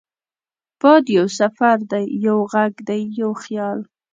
باد یو سفر دی، یو غږ دی، یو خیال